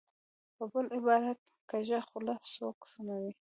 په بل عبارت، کږه خوله سوک سموي.